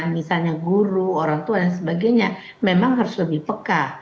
misalnya guru orang tua dan sebagainya memang harus lebih peka